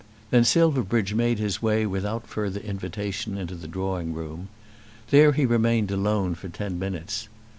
Then Silverbridge made his way without further invitation into the drawing room. There he remained alone for ten minutes.